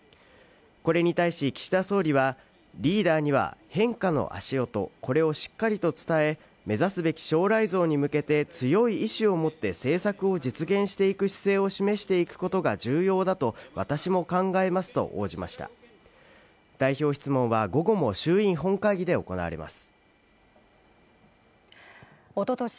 これに対し岸田総理はリーダーには変化の足音これをしっかりと伝え目指すべき将来像に向けて強い意志を持って政策を実現していく姿勢を示していくことが重要だと私も考えますと応じました代表質問は午後も衆院本会議で行われますおととし